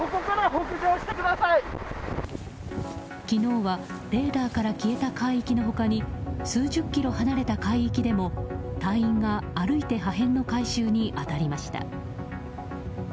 昨日はレーダーから消えた海域の他に数十キロ離れた海域でも隊員が歩いて破片の回収に当たりました。